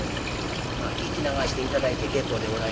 まあ聞き流して頂いて結構でございますけれども。